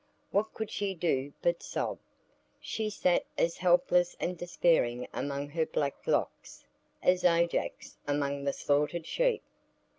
What could she do but sob? She sat as helpless and despairing among her black locks as Ajax among the slaughtered sheep.